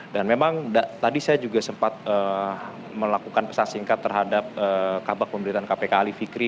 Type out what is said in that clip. dan memang tadi saya juga sempat melakukan pesan singkat terhadap kabar pemerintahan kpk ali fikri